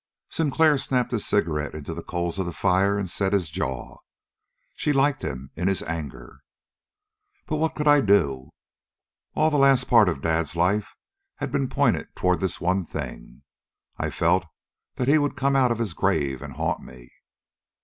Sinclair snapped his cigarette into the coals of the fire and set his jaw. She liked him in his anger. "But what could I do? All of the last part of Dad's life had been pointed toward this one thing. I felt that he would come out of his grave and haunt me.